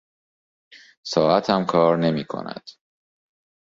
ساعتم کار نمیکند.